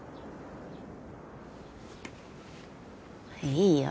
いいよ。